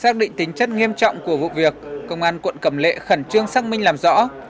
xác định tính chất nghiêm trọng của vụ việc công an quận cầm lệ khẩn trương xác minh làm rõ